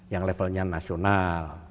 yang levelnya nasional